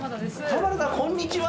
浜田さん、こんにちは。